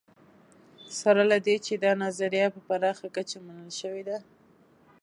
سره له دې چې دا نظریه په پراخه کچه منل شوې ده